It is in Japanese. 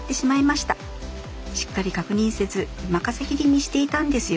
しっかり確認せず任せきりにしていたんですよ。